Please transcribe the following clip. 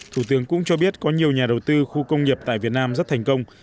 thủ tướng cũng cho biết có nhiều nhà đầu tư khu công nghiệp tại việt nam rất thành công